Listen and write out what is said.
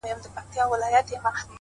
اخلاص د عمل ریښتینی روح دی’